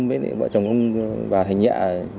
với bà thành nhẹ